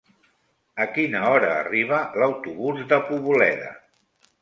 A quina hora arriba l'autobús de Poboleda?